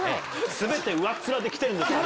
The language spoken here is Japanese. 全て上っ面で来てるんですから。